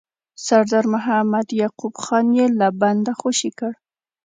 سردار محمد یعقوب خان یې له بنده خوشي کړ.